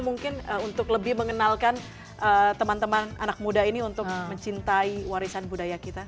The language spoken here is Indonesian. mungkin untuk lebih mengenalkan teman teman anak muda ini untuk mencintai warisan budaya kita